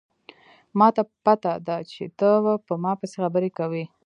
ما ته پته ده چې ته په ما پسې خبرې کوې